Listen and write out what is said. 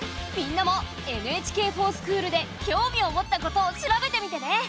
みんなも「ＮＨＫｆｏｒＳｃｈｏｏｌ」で興味を持ったことを調べてみてね。